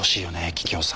桔梗さん。